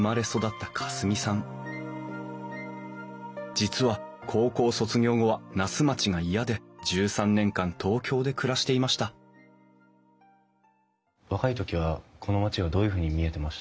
実は高校卒業後は那須町が嫌で１３年間東京で暮らしていました若い時はこの町がどういうふうに見えてました？